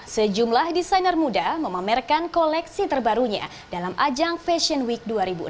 sejumlah desainer muda memamerkan koleksi terbarunya dalam ajang fashion week dua ribu enam belas